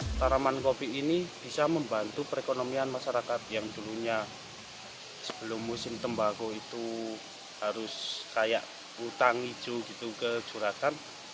pembelian kopi ini bisa membantu perekonomian masyarakat yang dulunya sebelum musim tembago itu harus kayak hutang hijau gitu ke juratan